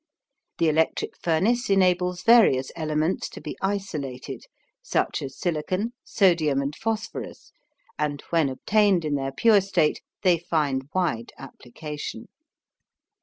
The electric furnace enables various elements to be isolated, such. as silicon, sodium, and phosphorus, and when obtained in their pure state they find wide application.